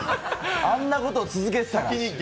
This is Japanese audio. あんなことを続けてたら。